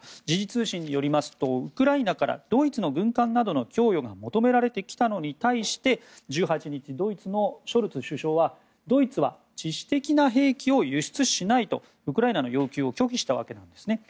時事通信によりますとウクライナからドイツの軍艦などの供与が求められてきたのに対して１８日、ドイツのショルツ首相はドイツは致死的な兵器を輸出しないとウクライナの要求を拒否したわけです。